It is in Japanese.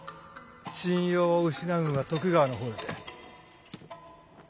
信用を失うんは徳川の方だて。